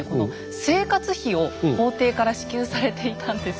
生活費を皇帝から支給されていたんです。